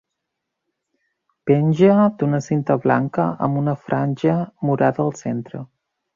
Penja d'una cinta blanca amb una franja morada al centre.